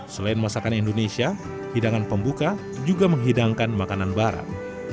selain masakan indonesia hidangan pembuka juga menghidangkan makanan barat